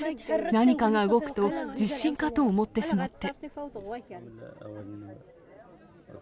何かが動くと地震かと思ってしまって。